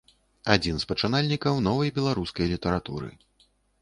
Адзін з пачынальнікаў новай беларускай літаратуры.